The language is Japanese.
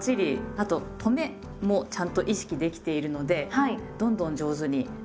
あととめもちゃんと意識できているのでどんどん上手になってきていますね。